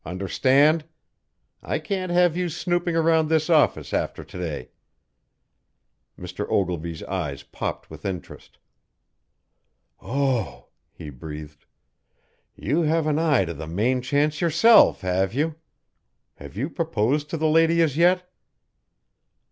Understand? I can't have you snooping around this office after to day." Mr. Ogilvy's eyes popped with interest. "Oh," he breathed. "You have an eye to the main chance yourself have you? Have you proposed to the lady as yet?"